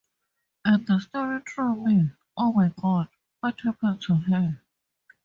And the story threw me: 'Oh my God, what happened to her?